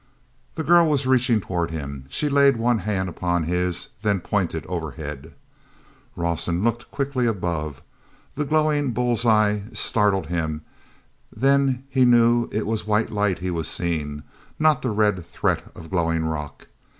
The girl was reaching toward him. She laid one hand upon his, then pointed overhead. awson looked quickly above. The glowing bull's eyes startled him, then he knew it was white light he was seeing, not the red threat of glowing rock.